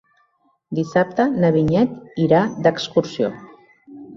Dissabte na Vinyet irà d'excursió.